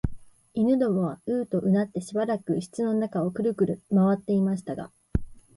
犬どもはううとうなってしばらく室の中をくるくる廻っていましたが、